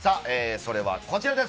それはこちらです。